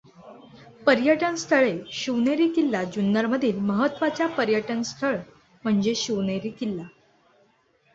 पर्यटन स्थळे शिवनेरी किल्ला जुन्नर मधील महत्त्वाचे पर्यटन स्थळ म्हणजे शिवनेरी किल्ला.